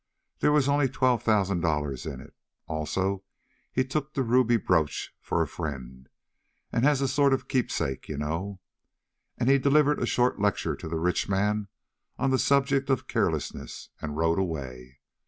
There was only twelve thousand dollars in it. Also, he took the ruby brooch for a friend and as a sort of keepsake, you know. And he delivered a short lecture to the rich man on the subject of carelessness and rode away.